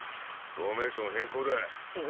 フォーメーション変更だ。